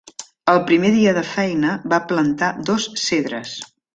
El primer dia de feina va plantar dos cedres.